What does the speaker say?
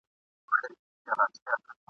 چي په شا یې د عیبونو ډک خورجین دی !.